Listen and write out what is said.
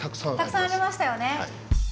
たくさんありましたよね？